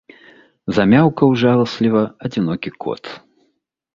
Замяўкаў жаласліва адзінокі кот.